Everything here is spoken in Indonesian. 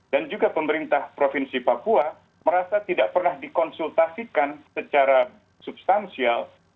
dan juga pemerintah provinsi papua merasa tidak pernah dikonsultasikan secara substansial